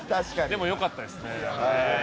でも、良かったですね。